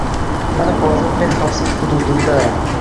Mana hozir men xavfsiz hududimdaman